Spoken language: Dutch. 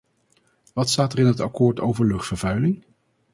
Wat staat er in het akkoord over luchtvervuiling?